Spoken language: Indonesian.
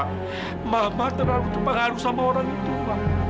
mama cuma terlalu terpengaruh sama orang itu ma